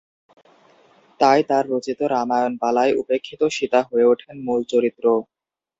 তাই তাঁর রচিত রামায়ণ পালায় উপেক্ষিত সীতা হয়ে ওঠেন মূল চরিত্র।